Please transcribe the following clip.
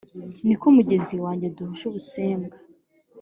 Niko mugenzi wange duhuje ubusembwa?”